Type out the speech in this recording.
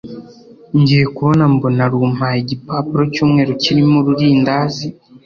ngiye kubona mbona, rumpaye igipapuro cyumweru kirimo ururindazi